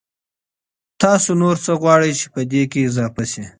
تاسو نور څه غواړئ چي پدې کي اضافه سي؟